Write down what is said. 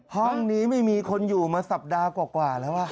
ห้องนี้ไม่มีคนอยู่มาสัปดาห์กว่าแล้ว